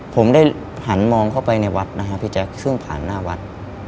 ผมได้หันมองเข้าไปในวัดนะฮะพี่แจ๊คซึ่งผ่านหน้าวัด